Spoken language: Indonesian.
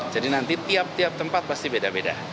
jadi nanti tiap tiap tempat pasti beda beda